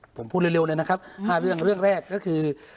ผมพูดเร็วเลยนะครับ๕เรื่องเรื่องแรกก็คือ